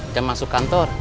jam masuk kantor